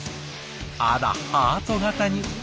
あらハート形に。